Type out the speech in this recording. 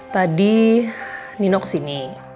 tadi nino kesini